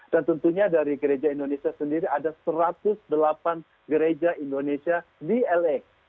dan tentunya dari gereja indonesia sendiri ada satu ratus delapan gereja indonesia di la